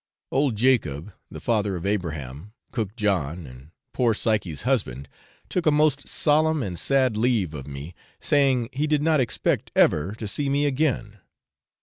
Old Jacob, the father of Abraham, cook John, and poor Psyche's husband, took a most solemn and sad leave of me, saying he did not expect ever to see me again.